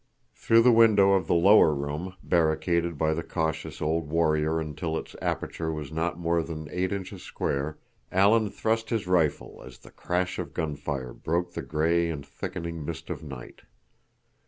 Through the window of the lower room, barricaded by the cautious old warrior until its aperture was not more than eight inches square, Alan thrust his rifle as the crash of gun fire broke the gray and thickening mist of night.